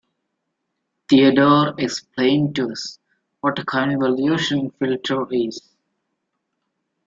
Theodore explained to us what a convolution filter is.